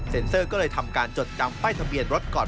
เซอร์ก็เลยทำการจดจำป้ายทะเบียนรถก่อน